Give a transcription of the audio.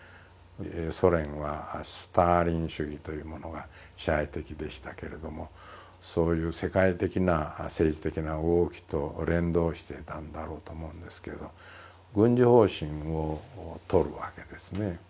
ソ連はスターリン主義というものが支配的でしたけれどもそういう世界的な政治的な動きと連動していたんだろうと思うんですけど軍事方針をとるわけですね。